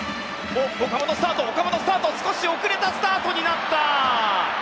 岡本がスタートしたが少し遅れたスタートになった！